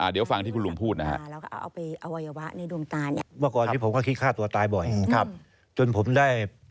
เดี๋ยวฟังที่คุณลุงพูดนะฮะ